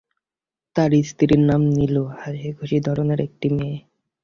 তাঁর স্ত্রীর নাম নীলু, হাসিখুশি ধরনের একটি মেয়ে।